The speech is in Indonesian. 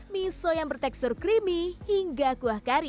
miso yang bertekstur creamy hingga kuah kari